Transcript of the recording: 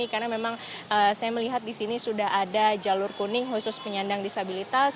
karena memang saya melihat di sini sudah ada jalur kuning khusus penyandang disabilitas